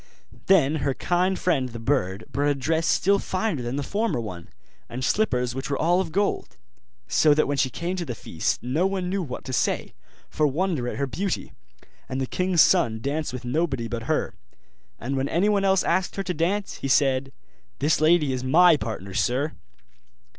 Then her kind friend the bird brought a dress still finer than the former one, and slippers which were all of gold: so that when she came to the feast no one knew what to say, for wonder at her beauty: and the king's son danced with nobody but her; and when anyone else asked her to dance, he said, 'This lady is my partner, sir.